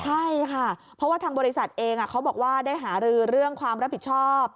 ใช่ค่ะเพราะว่าทางบริษัทเองเขาบอกว่าได้หารือเรื่องความรับผิดชอบ